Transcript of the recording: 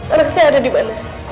anak saya ada dimana